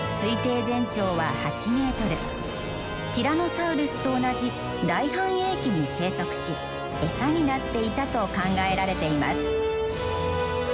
ティラノサウルスと同じ大繁栄期に生息し餌になっていたと考えられています。